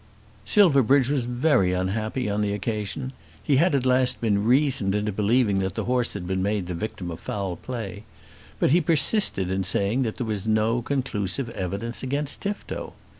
Silverbridge was very unhappy on the occasion. He had at last been reasoned into believing that the horse had been made the victim of foul play; but he persisted in saying that there was no conclusive evidence against Tifto.